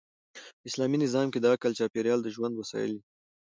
په اسلامي نظام کښي د عقل چاپېریال د ژوند وسایل يي.